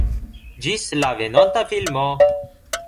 Ĝis la venonta filmo